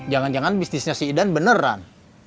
jangan jangan bisnisnya si idan beneran